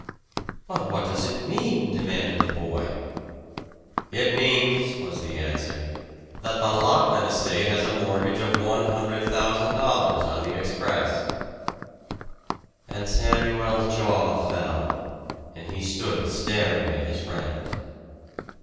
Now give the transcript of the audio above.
"But what does it mean?" demanded the boy. "It means," was the answer, "that the Lockman estate has a mortgage of one hundred thousand dollars on the Express." And Samuel's jaw fell, and he stood staring at his friend.